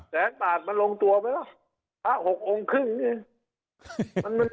แสนบาทมันลงตัวไหมว่าพระ๖องค์ครึ่งนี่